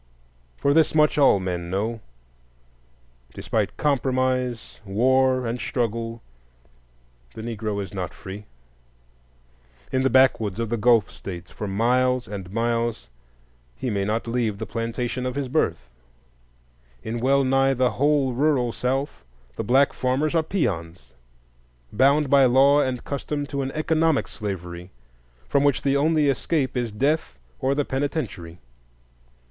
For this much all men know: despite compromise, war, and struggle, the Negro is not free. In the backwoods of the Gulf States, for miles and miles, he may not leave the plantation of his birth; in well nigh the whole rural South the black farmers are peons, bound by law and custom to an economic slavery, from which the only escape is death or the penitentiary.